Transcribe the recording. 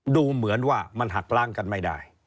ดูเหมือนว่ามันหักล้างกันไม่ได้